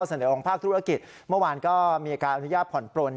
ส่วนเดียวองภาพธุรกิจเมื่อวานก็มีอาจารย์อนุญาตผ่อนปรน